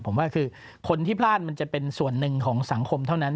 ผมว่าคือคนที่พลาดมันจะเป็นส่วนหนึ่งของสังคมเท่านั้น